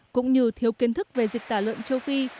cũng như thiếu kiến thức về dịch tả lợn châu phi